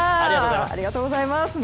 ありがとうございます。